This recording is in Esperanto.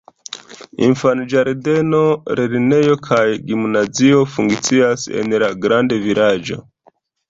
Infanĝardeno, lernejo kaj gimnazio funkcias en la grandvilaĝo.